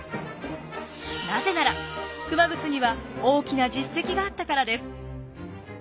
なぜなら熊楠には大きな実績があったからです。